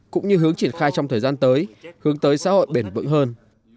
cũng như hướng triển khai trong thời gian tới hướng tới xã hội bền vững hơn